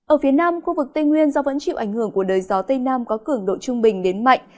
ở phía nam khu vực tây nguyên do vẫn chịu ảnh hưởng của đời gió tây nam có cường độ trung bình đến mạnh